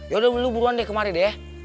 ya udah lo buruan deh kemari deh